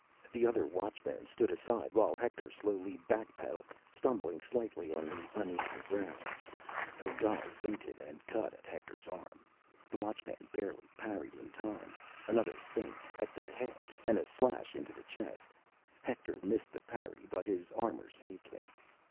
The other Watchmen stood aside while Hector slowly backpedaled, stumbling slightly on the uneven ground. Odal feinted and cut at Hector's arm. The Watchman barely parried in time. Another feint, at the head, and a slash into the chest; Hector missed the parry but his armor saved him.